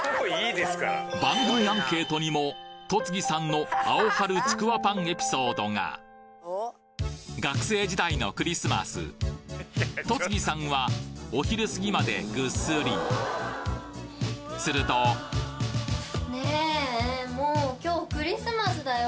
番組アンケートにも戸次さんのアオハルちくわぱんエピソードが学生時代のクリスマス戸次さんはお昼過ぎまでグッスリするとねぇもう今日クリスマスだよ！